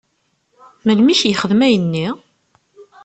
Melmi i k-yexdem ayenni?